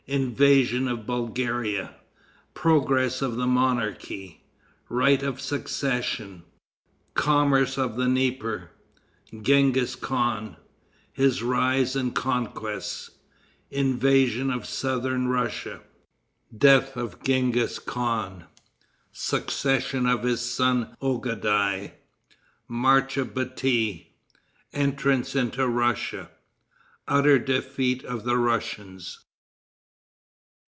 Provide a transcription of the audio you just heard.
Invasion of Bulgaria. Progress of the Monarchy. Right of Succession. Commerce of the Dnieper. Genghis Khan. His Rise and Conquests. Invasion of Southern Russia. Death of Genghis Khan. Succession of his Son Ougadai. March of Bati. Entrance into Russia. Utter Defeat of the Russians.